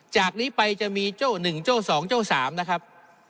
จากนี้ไปจะมีเจ้าหนึ่งเจ้าสองเจ้าสามนะครับ